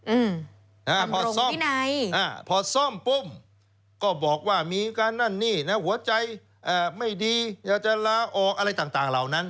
อืมทำโรงที่ในพอซ่อมปุ้มก็บอกว่ามีการนั่นนี่หัวใจไม่ดีอยากจะละออกอะไรต่างเหล่านั้น